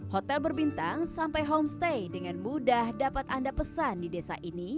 hotel berbintang sampai homestay dengan mudah dapat anda pesan di desa ini